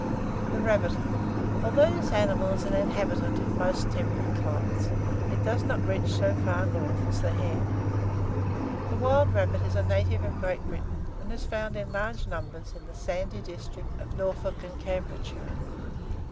THE RABBIT. Though this animal is an inhabitant of most temperate climates, it does not reach so far north as the hare. The wild rabbit is a native of Great Britain, and is found in large numbers in the sandy districts of Norfolk and Cambridgeshire.